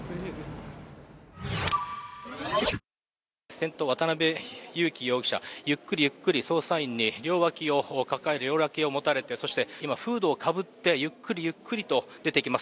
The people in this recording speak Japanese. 先頭、渡辺優樹容疑者、ゆっくりゆっくり捜査員に両脇を持たれて今、フードをかぶってゆっくりゆっくりと出てきます。